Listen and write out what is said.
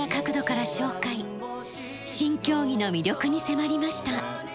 新競技の魅力に迫りました。